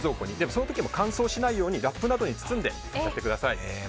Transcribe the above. その時も乾燥しないようにラップなどに包んでください。